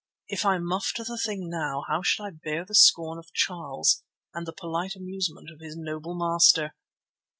If I muffed the thing now, how should I bear the scorn of Charles and the polite amusement of his noble master?